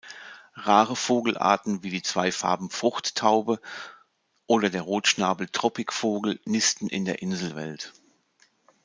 Rare Vogelarten wie die Zweifarben-Fruchttaube oder der Rotschnabel-Tropikvogel nisten in der Inselwelt.